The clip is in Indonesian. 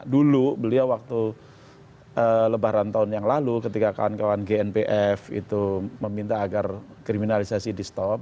dulu beliau waktu lebaran tahun yang lalu ketika kawan kawan gnpf itu meminta agar kriminalisasi di stop